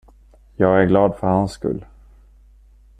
Jag är glad för hans skull.